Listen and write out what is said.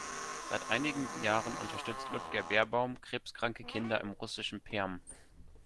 Seit einigen Jahren unterstützt Ludger Beerbaum krebskranke Kinder im russischen Perm.